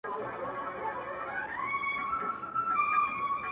پښتانه لکه مګس ورباندي ګرځي-